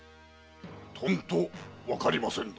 とんとわかりませぬ。